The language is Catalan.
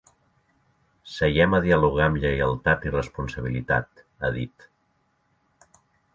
Seiem a dialogar amb lleialtat i responsabilitat, ha dit.